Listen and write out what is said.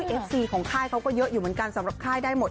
เอฟซีของค่ายเขาก็เยอะอยู่เหมือนกันสำหรับค่ายได้หมด